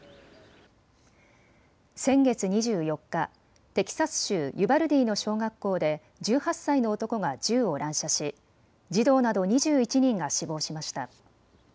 先月２４日、テキサス州ユバルディの小学校で１８歳の男が銃を乱射し児童など２１人が死亡しました。